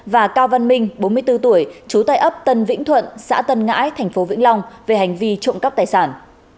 và cao văn minh bốn mươi bốn tuổi trú tại ấp tân vĩnh thuận xã tân ngãi tp vĩnh long về hành vi trộm cắp tài sản